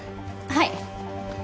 はい。